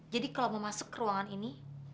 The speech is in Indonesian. jadi kalau mau masuk ke ruangan ini